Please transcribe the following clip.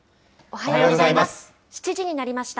おはようございます。